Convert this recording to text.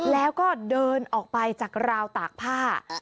แล้วก็เดินออกไปจากราวตากผ้า